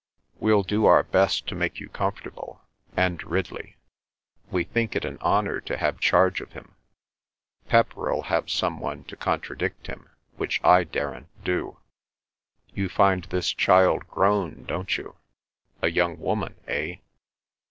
"We'll do our best to make you comfortable. And Ridley. We think it an honour to have charge of him. Pepper'll have some one to contradict him—which I daren't do. You find this child grown, don't you? A young woman, eh?"